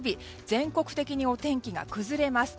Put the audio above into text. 全国的にお天気が崩れます。